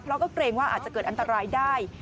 เพราะก็เกรงว่าอาจจะเกิดอันตรายได้